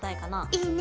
いいね。